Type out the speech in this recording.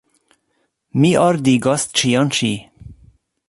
Mi ordigos ĉion ĉi.